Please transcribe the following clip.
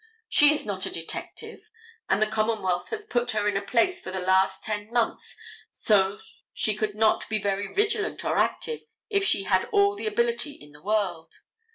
She is not a detective, and the commonwealth has put her in a place for the last ten months so she could not be very vigilant or active if she had all the ability in the world.